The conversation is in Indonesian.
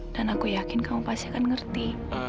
dan aku yakin kamu pasti akan ngerti